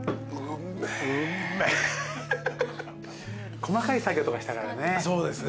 細かい作業とかしたからね。